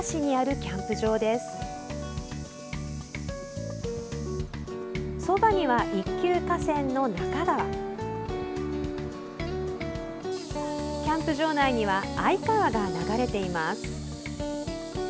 キャンプ場内には相川が流れています。